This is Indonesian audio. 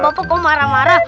bapak kok marah marah